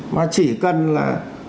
mà chỉ cần là